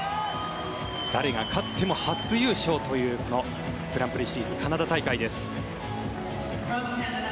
誰が勝っても初優勝というこのグランプリシリーズカナダ大会です。